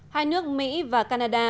hai nước mỹ và canada